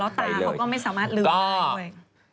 ตาเขาก็ไม่สามารถลืมได้ด้วย